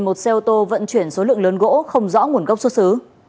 một xe ô tô vận chuyển số lượng lớn gỗ không rõ nguồn gốc xuất xứ